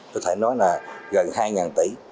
có thể nói là gần hai tỷ